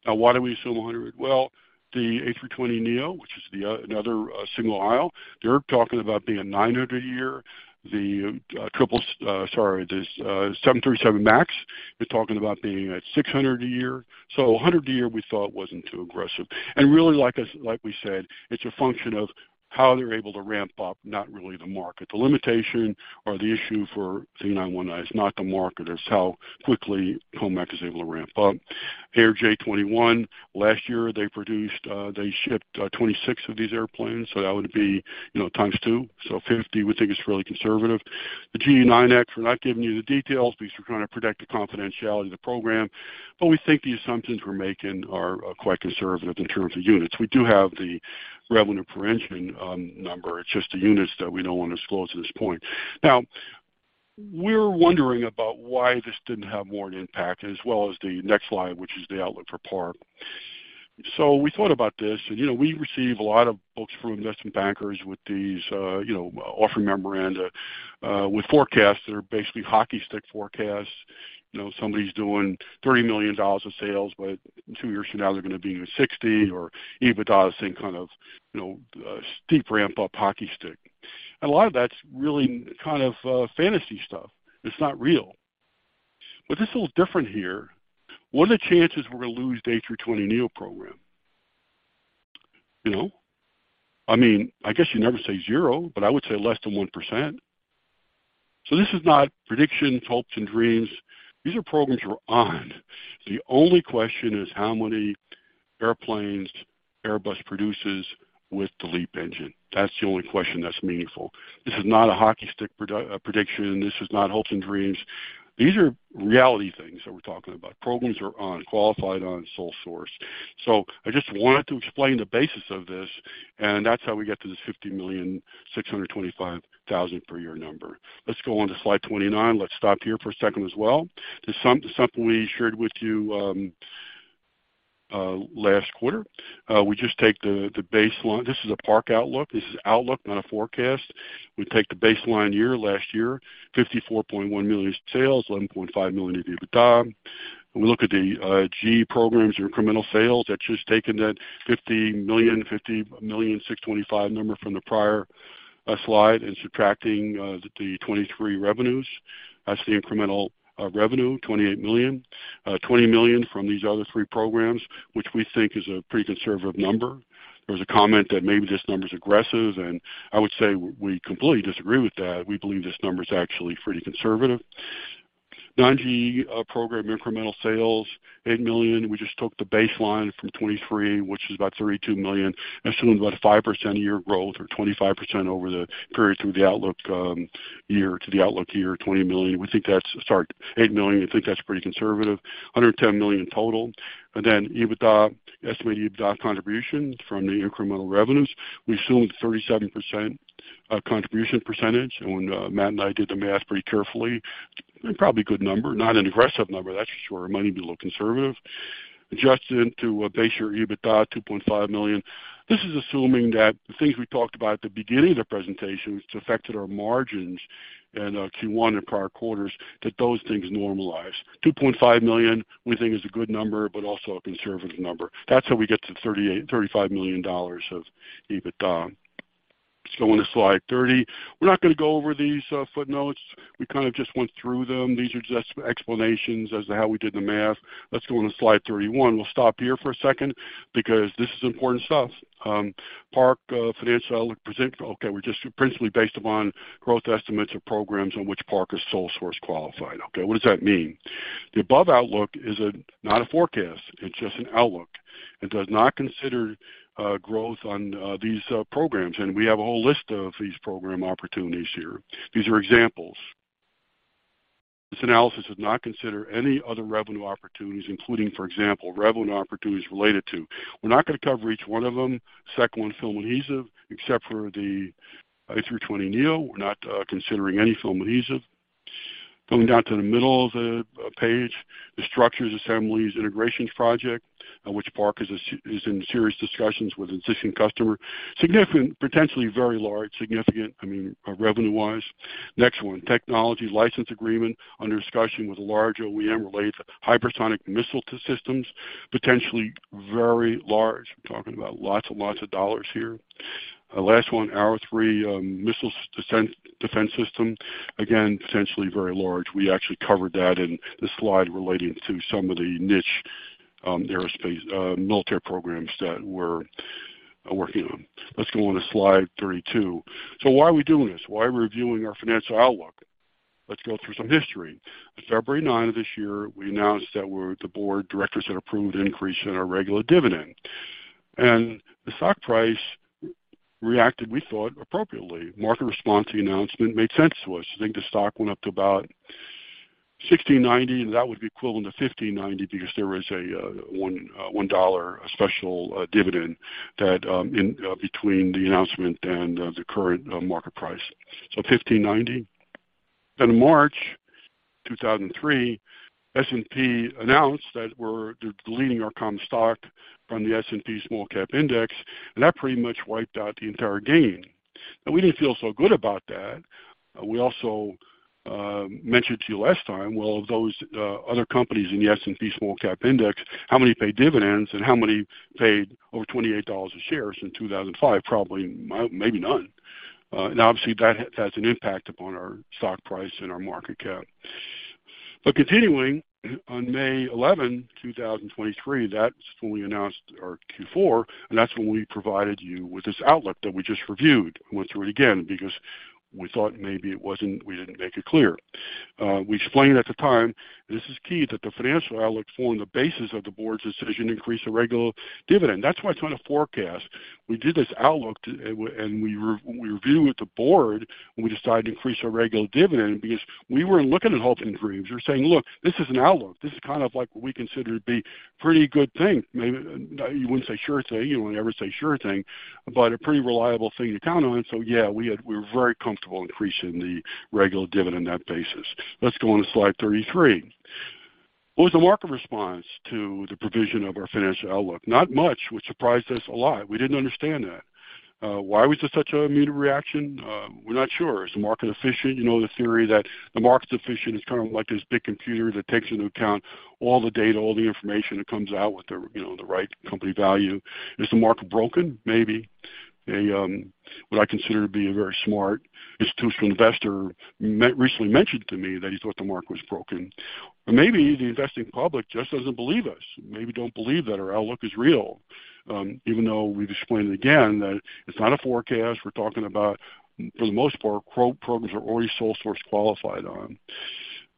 Why do we assume 100? Well, the A320neo, which is the, another, single aisle, they're talking about being at 900 a year. The 737 MAX, they're talking about being at 600 a year. A 100 a year, we thought wasn't too aggressive. Really, like us, like we said, it's a function of how they're able to ramp up, not really the market. The limitation or the issue for the C919 is not the market, it's how quickly COMAC is able to ramp up. ARJ21, last year, they produced, they shipped, 26 of these airplanes, that would be, you know, times two. 50, we think, is really conservative. The GE9X, we're not giving you the details because we're trying to protect the confidentiality of the program, but we think the assumptions we're making are quite conservative in terms of units. We do have the revenue per engine number. It's just the units that we don't want to disclose at this point. We're wondering about why this didn't have more of an impact, as well as the next slide, which is the outlook for Park. We thought about this, you know, we receive a lot of books from investment bankers with these, you know, offering memoranda, with forecasts that are basically hockey stick forecasts. You know, somebody's doing $30 million of sales, two years from now they're gonna be $60 million or EBITDA, the same kind of, you know, steep ramp-up hockey stick. A lot of that's really kind of fantasy stuff. It's not real. This is a little different here. What are the chances we're gonna lose the A320neo program? You know, I mean, I guess you never say zero, but I would say less than 1%. This is not predictions, hopes, and dreams. These are programs we're on. The only question is how many airplanes Airbus produces with the LEAP engine. That's the only question that's meaningful. This is not a hockey stick prediction. This is not hopes and dreams. These are reality things that we're talking about. Programs are on, qualified on sole source. I just wanted to explain the basis of this, and that's how we get to this $50.625 million per year number. Let's go on to Slide 29. Let's stop here for a second as well. Something we shared with you last quarter. We just take the baseline. This is a Park outlook. This is outlook, not a forecast. We take the baseline year, last year, $54.1 million sales, $11.5 million EBITDA. We look at the GE programs, incremental sales. That's just taking that $50.625 million number from the prior slide, and subtracting the 2023 revenues. That's the incremental revenue, $28 million. $20 million from these other three programs, which we think is a pretty conservative number. There's a comment that maybe this number is aggressive. I would say we completely disagree with that. We believe this number is actually pretty conservative. Non-GE program, incremental sales, $8 million. We just took the baseline from 2023, which is about $32 million, assuming about 5% a year growth or 25% over the period from the outlook year to the outlook year, $20 million. We think that's a start. $8 million. We think that's pretty conservative. $110 million in total. EBITDA, estimated EBITDA contribution from the incremental revenues. We assumed 37% contribution percentage, when Matt and I did the math pretty carefully, probably a good number. Not an aggressive number, that's for sure. It might even look conservative. Adjusted to base year EBITDA, $2.5 million. This is assuming that the things we talked about at the beginning of the presentation, which affected our margins in Q1 and prior quarters, that those things normalize. $2.5 million we think is a good number, but also a conservative number. That's how we get to $35 million of EBITDA. Let's go on to Slide 30. We're not gonna go over these footnotes. We kind of just went through them. These are just explanations as to how we did the math. Let's go on to Slide 31. We'll stop here for a second because this is important stuff. Park financial outlook present. We're just principally based upon growth estimates of programs on which Park is sole source qualified. What does that mean? The above outlook is not a forecast, it's just an outlook. That does not consider growth on these programs. We have a whole list of these program opportunities here. These are examples. This analysis does not consider any other revenue opportunities, including, for example, revenue opportunities related to. We're not gonna cover each one of them. Second one, film adhesive, except for the A320neo. We're not considering any film adhesive. Going down to the middle of the page, the structures, assemblies, integrations project, which Park is in serious discussions with an existing customer. Significant, potentially very large, significant, I mean, revenue-wise. Next one, technology license agreement under discussion with a large OEM, relates hypersonic missile to systems, potentially very large. We're talking about lots and lots of dollars here. Last one, Arrow 3 missile defense system. Again, potentially very large. We actually covered that in the slide relating to some of the niche aerospace military programs that we're working on. Let's go on to Slide 32. Why are we doing this? Why are we reviewing our financial outlook? Let's go through some history. On February 9 of this year, we announced that the Board of Directors had approved an increase in our regular dividend, and the stock price reacted, we thought, appropriately. Market response to the announcement made sense to us. I think the stock went up to about $16.90, and that would be equivalent to $15.90 because there was a $1 special dividend that in between the announcement and the current market price. $15.90. March 2003, S&P announced that we're deleting our common stock from the S&P SmallCap Index, and that pretty much wiped out the entire gain. We didn't feel so good about that. We also mentioned to you last time, of those other companies in the S&P SmallCap Index, how many pay dividends and how many paid over $28 a share since 2005? Probably, maybe none. Obviously, that has an impact upon our stock price and our market cap. Continuing, on May 11, 2023, that's when we announced our Q4, and that's when we provided you with this outlook that we just reviewed. Went through it again because we thought maybe it wasn't, we didn't make it clear. We explained at the time, this is key, that the financial outlook formed the basis of the Board's decision to increase the regular dividend. That's why it's not a forecast. We did this outlook, and we reviewed it with the Board when we decided to increase our regular dividend because we weren't looking at hopes and dreams. We were saying: Look, this is an outlook. This is kind of like what we consider to be a pretty good thing. Maybe you wouldn't say sure thing. You wouldn't ever say sure thing, but a pretty reliable thing to count on. Yeah, we were very comfortable increasing the regular dividend on that basis. Let's go on to Slide 33. What was the market response to the provision of our financial outlook? Not much, which surprised us a lot. We didn't understand that. Why was there such an immediate reaction? We're not sure. Is the market efficient? You know, the theory that the market's efficient is kind of like this big computer that takes into account all the data, all the information, that comes out with the, you know, the right company value. Is the market broken? Maybe. What I consider to be a very smart institutional investor recently mentioned to me that he thought the market was broken. Maybe the investing public just doesn't believe us, maybe don't believe that our outlook is real, even though we've explained again, that it's not a forecast we're talking about, for the most part, quote, programs are already sole source qualified on.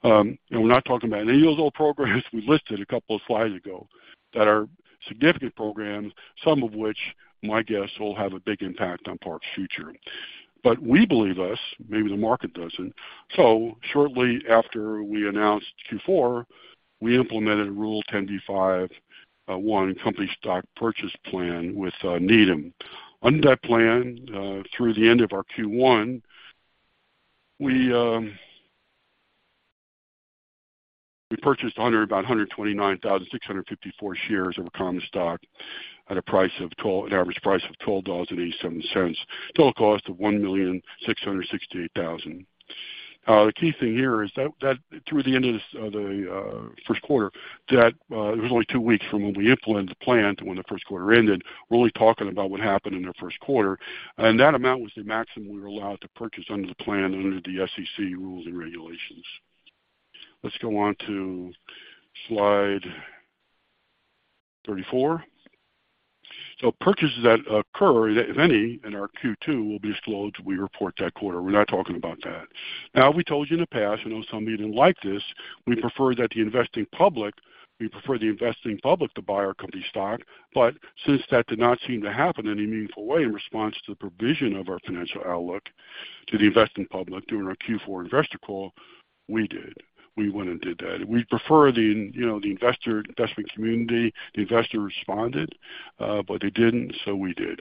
We're not talking about any of those old programs we listed a couple of slides ago that are significant programs, some of which, my guess, will have a big impact on Park's future. We believe us, maybe the market doesn't. Shortly after we announced Q4, we implemented Rule 10b5-1, company stock purchase plan with Needham. Under that plan, through the end of our Q1, we purchased about 129,654 shares of common stock at an average price of $12.87, total cost of $1.668 million. The key thing here is that through the end of this, the first quarter, it was only two weeks from when we implemented the plan to when the first quarter ended. We're only talking about what happened in the first quarter, that amount was the maximum we were allowed to purchase under the plan, under the SEC rules and regulations. Let's go on to Slide 34. Purchases that occur, if any, in our Q2, will be slowed until we report that quarter. We're not talking about that. We told you in the past, I know some of you didn't like this, we prefer the investing public to buy our company stock, since that did not seem to happen in a meaningful way in response to the provision of our financial outlook to the investing public during our Q4 investor call, we did. We went and did that. We'd prefer the, you know, the investor, investment community responded, they didn't, we did.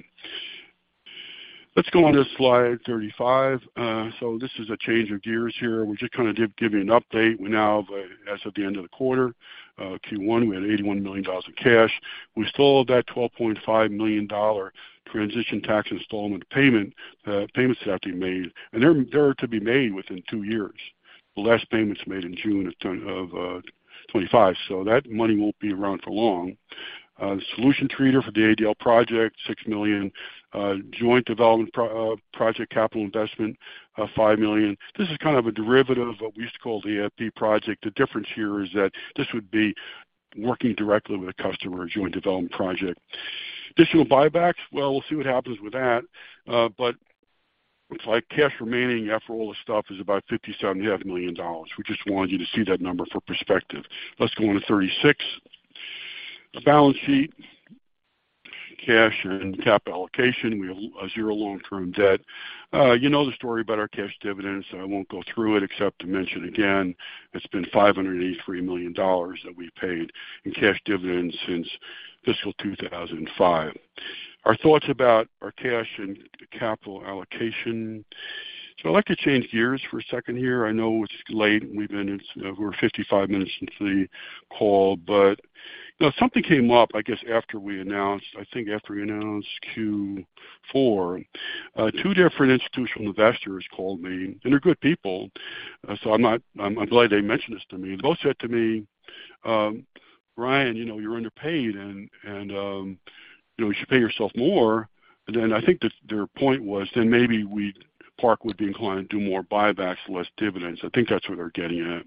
Let's go on to Slide 35. This is a change of gears here. We're just kind of giving you an update. We now, as of the end of the quarter, Q1, we had $81 million in cash. We still have that $12.5 million transition tax installment payment, payments that have to be made, they're to be made within two years. The last payment is made in June of 2025, that money won't be around for long. The solution treater for the ADL project, $6 million. Joint development project capital investment, $5 million. This is kind of a derivative of what we used to call the AFP project. The difference here is that this would be working directly with a customer joint development project. Additional buybacks? Well, we'll see what happens with that. It's like cash remaining after all this stuff is about $57.50 million dollars. We just wanted you to see that number for perspective. Let's go on to Slide 36. The balance sheet, cash and capital allocation. We have a zero long-term debt. You know the story about our cash dividends, so I won't go through it, except to mention again, it's been $583 million that we've paid in cash dividends since fiscal 2005. Our thoughts about our cash and capital allocation. I'd like to change gears for a second here. I know it's late, and we're 55 minutes into the call, you know, something came up, I guess, after we announced Q4. Two different institutional investors called me. They're good people. I'm glad they mentioned this to me. Both said to me, "Brian, you know, you're underpaid, and, you know, you should pay yourself more." I think that their point was then maybe we'd, Park would be inclined to do more buybacks, less dividends. I think that's what they're getting at.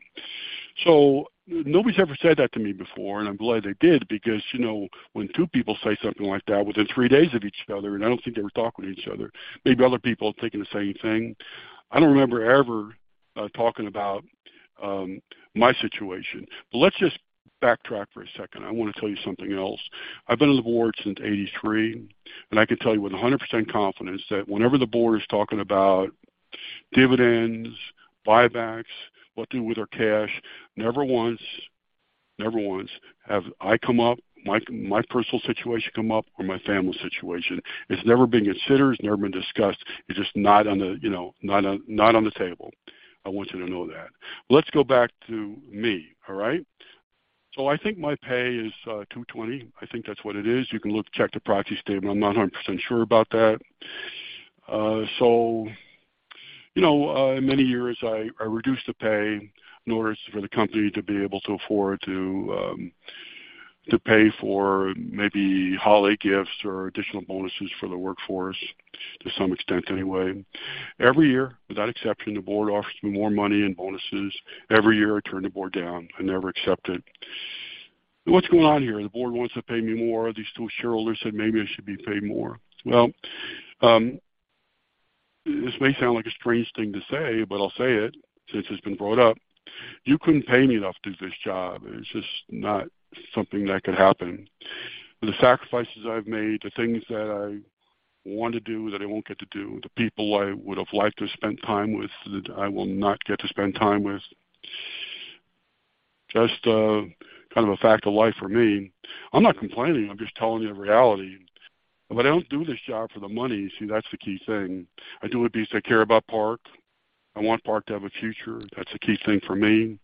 Nobody's ever said that to me before, and I'm glad they did, because, you know, when two people say something like that within three days of each other, and I don't think they were talking to each other, maybe other people are thinking the same thing. I don't remember ever talking about my situation. Let's just backtrack for a second. I want to tell you something else. I've been on the Board since 1983, and I can tell you with 100% confidence that whenever the Board is talking about dividends, buybacks, what to do with our cash, never once have I come up, my personal situation come up, or my family situation. It's never been considered. It's never been discussed. It's just not on the, you know, not on the table. I want you to know that. Let's go back to me. All right? I think my pay is $220,000. I think that's what it is. You can look, check the proxy statement. I'm not 100% sure about that. In many years, I reduced the pay in order for the company to be able to afford to pay for maybe holiday gifts or additional bonuses for the workforce to some extent anyway. Every year, without exception, the Board offers me more money and bonuses. Every year, I turn the Board down. I never accept it. What's going on here? The Board wants to pay me more. These two shareholders said maybe I should be paid more. Well, this may sound like a strange thing to say, but I'll say it since it's been brought up. You couldn't pay me enough to do this job. It's just not something that could happen. The sacrifices I've made, the things that I want to do that I won't get to do, the people I would have liked to spend time with, that I will not get to spend time with. Just, kind of a fact of life for me. I'm not complaining. I'm just telling you the reality. I don't do this job for the money. See, that's the key thing. I do it because I care about Park. I want Park to have a future. That's a key thing for me.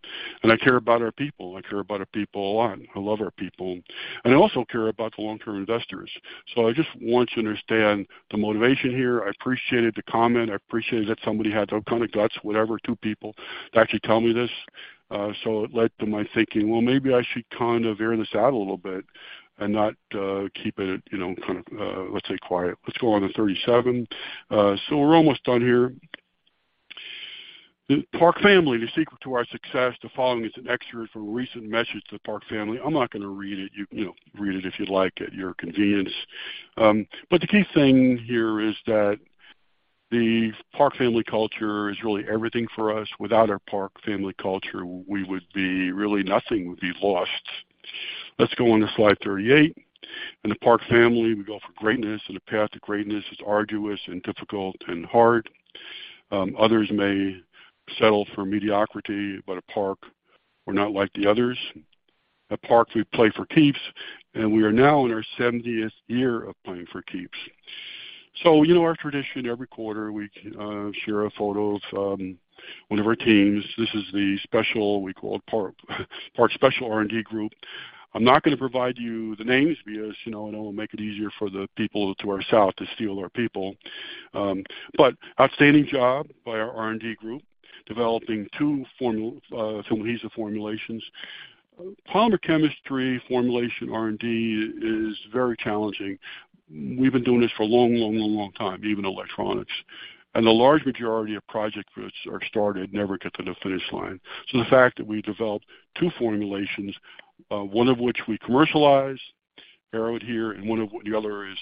I care about our people. I care about our people a lot. I love our people, and I also care about the long-term investors. I just want you to understand the motivation here. I appreciated the comment. I appreciated that somebody had the kind of guts, whatever, two people, to actually tell me this. It led to my thinking, well, maybe I should kind of air this out a little bit and not keep it, you know, kind of let's say quiet. Let's go on to Slide 37. We're almost done here. The Park family, the secret to our success. The following is an excerpt from a recent message to the Park family. I'm not going to read it. You can read it if you'd like, at your convenience. The key thing here is that the Park family culture is really everything for us. Without our Park family culture, we would be really nothing, would be lost. Let's go on to Slide 38. In the Park family, we go for greatness. The path to greatness is arduous and difficult and hard. Others may settle for mediocrity. At Park, we're not like the others. At Park, we play for keeps. We are now in our 70th year of playing for keeps. You know our tradition. Every quarter, we share a photo of one of our teams. This is the special, we call it Park Special R&D Group. I'm not going to provide you the names because, you know, it'll make it easier for the people to our south to steal our people. Outstanding job by our R&D group, developing two film adhesive formulations. Polymer chemistry formulation R&D is very challenging. We've been doing this for a long, long, long, long time, even electronics. The large majority of project groups are started, never get to the finish line. The fact that we developed two formulations, one of which we commercialize, Aeroadhere, and one of the other is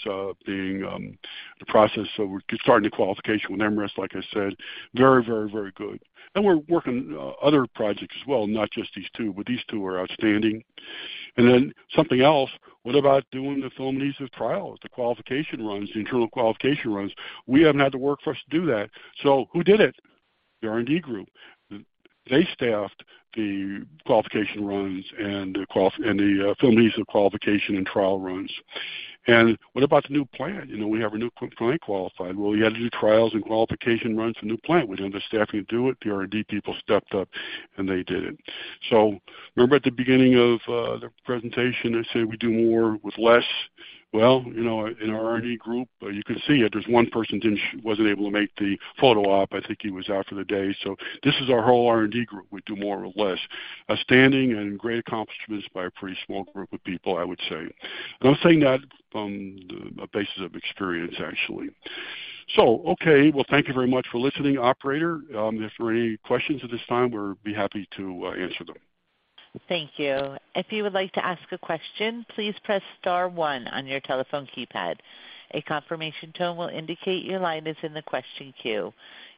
being the process. We're starting the qualification with MRAS, like I said, very, very, very good. We're working other projects as well, not just these two, these two are outstanding. Something else. What about doing the film adhesive trials, the qualification runs, the internal qualification runs? We haven't had the workforce to do that. Who did it? The R&D group. They staffed the qualification runs and the film adhesive qualification and trial runs. What about the new plant? You know, we have a new plant qualified. Well, you had to do trials and qualification runs for the new plant. We didn't have the staffing to do it. The R&D people stepped up, they did it. Remember at the beginning of the presentation, I said, we do more with less. Well, you know, in our R&D group, you can see it. There's one person wasn't able to make the photo op. I think he was out for the day. This is our whole R&D group. We do more with less. Outstanding and great accomplishments by a pretty small group of people, I would say. I'm saying that from the basis of experience, actually. Okay, well, thank you very much for listening, operator. If there are any questions at this time, we'll be happy to answer them. Thank you. If you would like to ask a question, please press star one on your telephone keypad. A confirmation tone will indicate your line is in the question queue.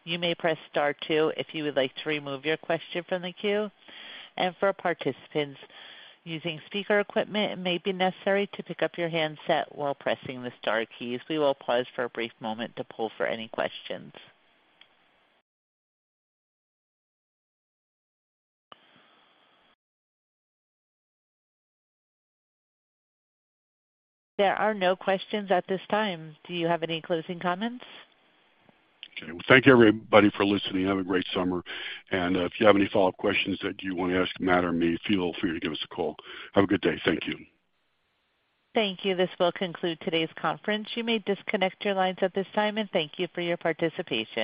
You may press star two if you would like to remove your question from the queue. For participants using speaker equipment, it may be necessary to pick up your handset while pressing the star keys. We will pause for a brief moment to pull for any questions. There are no questions at this time. Do you have any closing comments? Okay. Well, thank you, everybody, for listening. Have a great summer. If you have any follow-up questions that you want to ask Matt or me, feel free to give us a call. Have a good day. Thank you. Thank you. This will conclude today's conference. You may disconnect your lines at this time and thank you for your participation.